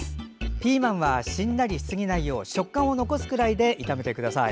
ピーマンはしんなりしすぎないよう食感を残すくらいで炒めてください。